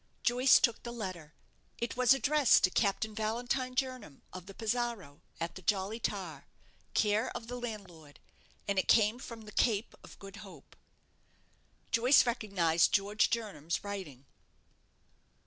Joyce took the letter. It was addressed to Captain Valentine Jernam, of the 'Pizarro', at the 'Jolly Tar', care of the landlord, and it came from the Cape of Good Hope. Joyce recognized George Jernam's writing.